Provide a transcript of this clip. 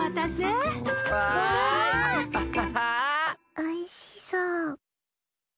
おいしそう。